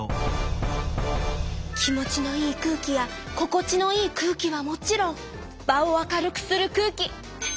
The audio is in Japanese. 気持ちのいい空気やここちのいい空気はもちろん場を明るくする空気！